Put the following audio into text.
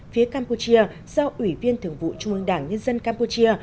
phía campuchia do ủy viên thưởng vụ trung mương đảng nhân dân campuchia